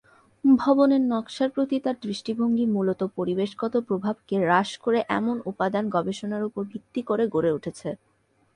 ভবনের নকশার প্রতি তাঁর দৃষ্টিভঙ্গি মূলত পরিবেশগত প্রভাবকে হ্রাস করে এমন উপাদান গবেষণার উপর ভিত্তি করে গড়ে উঠেছে।